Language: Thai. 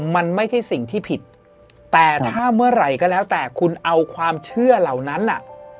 มันไม่ใช่สิ่งที่ผิดแต่ถ้าเมื่อไหร่ก็แล้วแต่คุณเอาความเชื่อเหล่านั้นน่ะ